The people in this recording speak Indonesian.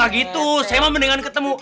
gitu saya mau mendingan ketemu